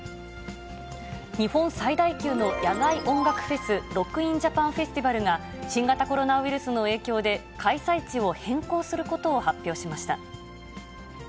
日本最大級の野外音楽フェス、ロック・イン・ジャパン・フェスティバルが、新型コロナウイルスの影響で、開催地を変更することを発表しました。